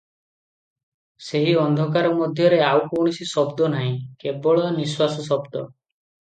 ସେହି ଅନ୍ଧକାର ମଧ୍ୟରେ ଆଉ କୌଣସି ଶବ୍ଦ ନାହିଁ, କେବଳ ନିଶ୍ୱାସ ଶବ୍ଦ।